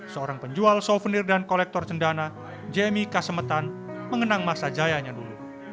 seorang penjual souvenir dan kolektor cendana jamie kasemetan mengenang masa jayanya dulu